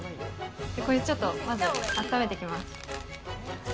これちょっとまず温めてきます。